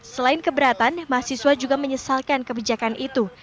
selain keberatan mahasiswa juga menyesalkan kebijakan itu